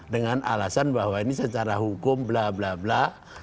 dengan alasan bahwa ini secara hukum bla bla bla